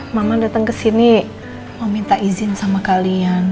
mama datang kesini mau minta izin sama kalian